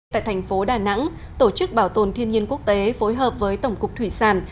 tại thành phố đà nẵng tổ chức bảo tồn thiên nhiên quốc tế phối hợp với tổng cục thủy sản